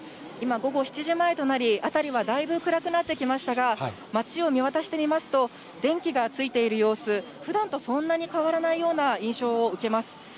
今、午後７時前となり、辺りはだいぶ暗くなってきましたが、街を見渡してみますと、電気がついている様子、ふだんとそんなに変わらないような印象を受けます。